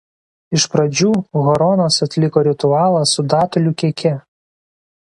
Iš pradžių Horonas atliko ritualą su datulių keke.